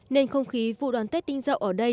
nên không khí vui đón tết tinh dậu ở đây